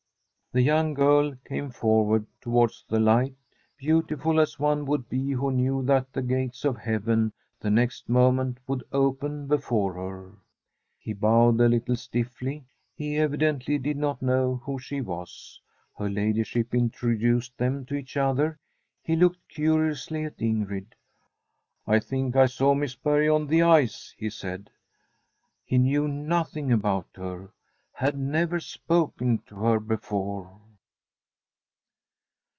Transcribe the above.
The young girl came forward towards the light, beautiful as one would be who knew that the gates of heaven the next moment would open before her. He bowed a little stiffly. He evidently did not know who she was. Her ladyship introduced them to each other. He looked curiously at In grid. * I think I saw Miss Berg on the ice,' he said. He knew nothing about her — had never spoken to her before.